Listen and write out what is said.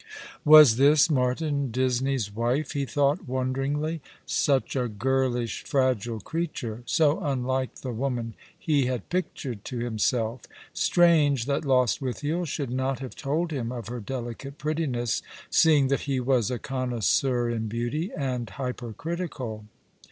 i Was this Martin Disney's wife, he thought wonderingly — such a girlish fragile creature — so unlike the woman he had pictured to himself? Strange that Lostwithiel should not have told him of her delicate prettiness, seeing that he was a connoisseur in beauty, and hypercritical.